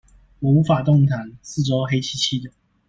我無法動彈，四周黑漆漆的